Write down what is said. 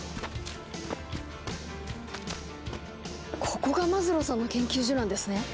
ここがマズローさんの研究所なんですね。